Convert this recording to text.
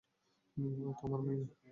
ও তোমার মেয়ে!